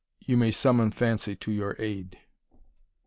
You may summon fancy to your aid.